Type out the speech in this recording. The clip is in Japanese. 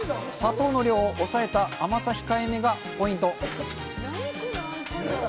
砂糖の量を抑えた甘さ控えめがポイント。